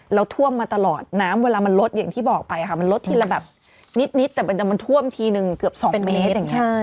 แล้วท่วมมาตลอดน้ำเวลามันลดอย่างที่บอกไปค่ะมันลดทีละแบบนิดแต่มันท่วมทีนึงเกือบ๒เมตรอย่างนี้